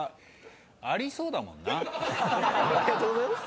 ありがとうございます。